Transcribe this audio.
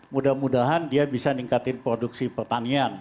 mudah mudahan dia bisa ningkatin produksi pertanian